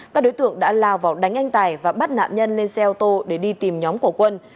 các đối tượng đã lao vào đánh anh tài và bắt nạn nhân lên xe ô tô để đi tìm nhóm của quân